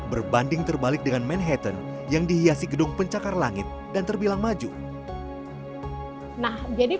berbanding terbalik dengan manhattan yang dihiasi gedung pencakar langit dan terbilang maju nah jadi